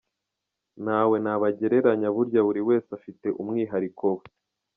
Ntawe nabagereranya burya buri wese aba afite umwihariko we.